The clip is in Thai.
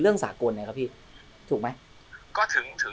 แล้วช่างคนนั้นเนี่ยหมอค่าเครื่องมือ